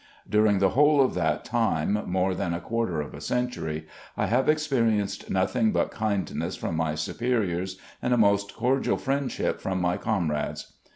34 THE CONFEDERATE GENERAL 25 " Dtiring the whole of that time — ^more than a quarter of a century — have experienced nothing but kindness from my superiors and a most cordial friendship from my comrades.